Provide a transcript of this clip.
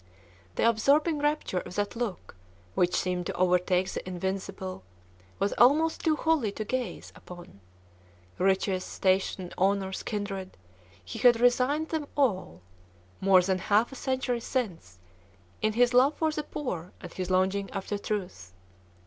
The absorbing rapture of that look, which seemed to overtake the invisible, was almost too holy to gaze upon. Riches, station, honors, kindred, he had resigned them all, more than half a century since, in his love for the poor and his longing after truth.